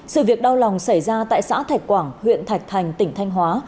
sự việc đau lòng xảy ra tại xã thạch quảng huyện thạch thành tỉnh thanh hóa